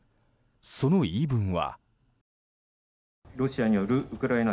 その言い分は。